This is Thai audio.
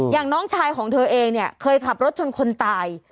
น้องชายของเธอเองเนี่ยเคยขับรถชนคนตาย